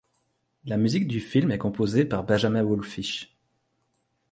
La musique du film est composée par Benjamin Wallfisch.